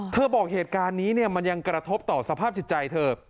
บอกเหตุการณ์นี้มันยังกระทบต่อสภาพจิตใจเธอ